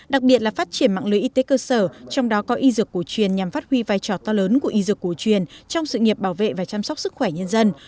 đặc biệt là phát triển mạng lưới y tế cơ sở trong đó có y dược cổ truyền nhằm phát huy vai trò to lớn của y dược cổ truyền trong sự nghiệp bảo vệ và chăm sóc sức khỏe nhân dân